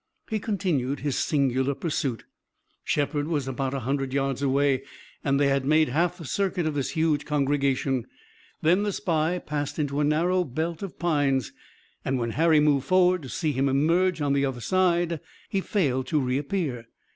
He continued his singular pursuit. Shepard was about a hundred yards away, and they had made half the circuit of this huge congregation. Then the spy passed into a narrow belt of pines, and when Harry moved forward to see him emerge on the other side he failed to reappear.